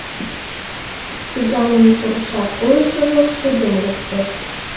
Цыганын торжа койышыжо шыдым луктеш.